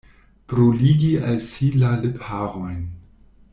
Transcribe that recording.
Bruligi al si la lipharojn.